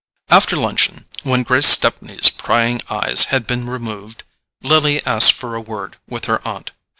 After luncheon, when Grace Stepney's prying eyes had been removed, Lily asked for a word with her aunt.